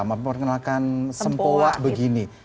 memperkenalkan sempowa begini